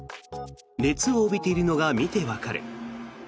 熱を帯びているのが見てわかる。